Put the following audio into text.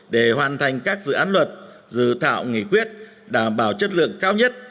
để hoàn thành các dự án luật dự thảo nghị quyết đảm bảo chất lượng cao nhất